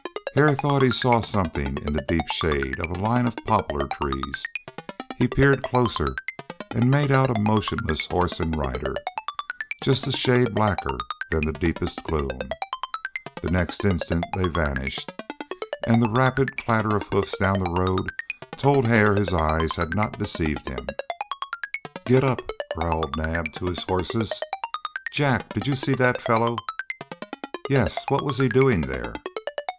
Hare thought he saw something in the deep shade of a line of poplar trees; he peered closer, and made out a motionless horse and rider, just a shade blacker than the deepest gloom. The next instant they vanished, and the rapid clatter of hoofs down the road told Hare his eyes had not deceived him. "Getup," growled Naab to his horses. "Jack, did you see that fellow?" "Yes. What was he doing there?"